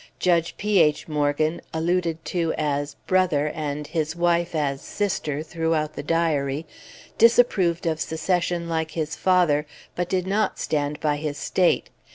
Judge P. H. Morgan (alluded to as "Brother" and his wife as "Sister" throughout the Diary) disapproved of Secession like his father, but did not stand by his State.